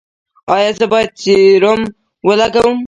ایا زه باید سیروم ولګوم؟